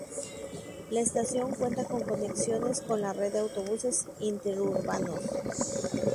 La estación cuenta con conexiones con la red de autobuses interurbanos.